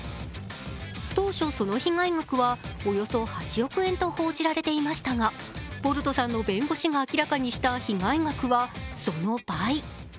当初、その被害額はおよそ８億円と報じられていましたが、ボルトさんの弁護士が明らかにした被害額はその倍。